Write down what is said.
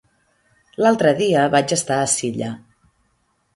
L'altre dia vaig estar a Silla.